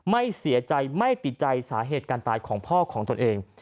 ไม่เสียใจไม่ติดใจสาเหตุการตายของพ่อของตนเอง